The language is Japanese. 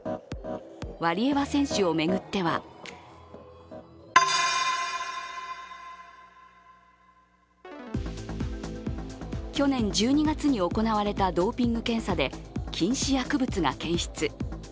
ワリエワ選手を巡っては去年１２月に行われたドーピング検査で禁止薬物が検出。